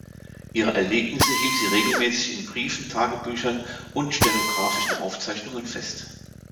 Ihre Erlebnisse hielt sie regelmäßig in Briefen, Tagebüchern und stenografischen Aufzeichnungen fest.